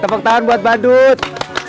tepuk tangan buat badut